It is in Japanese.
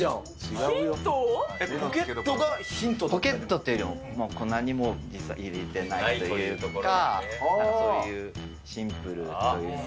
ポケットというより、何も入れてないというところが、なんかそういうシンプルというのが。